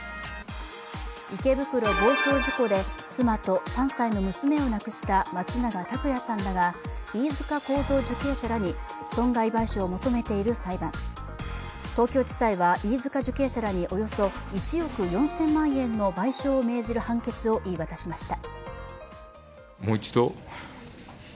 池袋暴走事故で、妻と３歳の娘を亡くした松永拓也さんらが飯塚幸三受刑者らに損害賠償を求めている裁判東京地裁は飯塚受刑者らにおよそ１億４０００万円の賠償を命じる判決を言い渡しました。